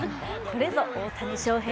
これぞ大谷翔平